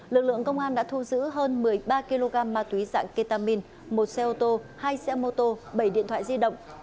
lực lượng công an đã thu giữ hơn một mươi ba kg ma túy dạng ketamin một xe ô tô hai xe mô tô bảy điện thoại di động